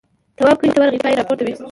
تواب کلي ته ورغی پایې راپورته وې.